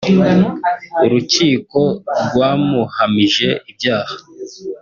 Urukiko rwamuhamije ibyaha